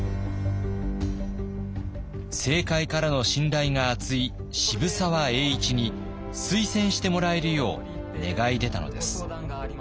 政界からの信頼が厚い渋沢栄一に推薦してもらえるよう願い出たのです。